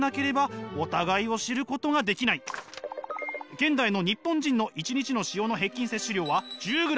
現代の日本人の１日の塩の平均摂取量は１０ｇ。